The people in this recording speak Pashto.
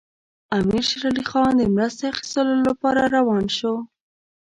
امیر شېر علي خان د مرستې اخیستلو لپاره روان شو.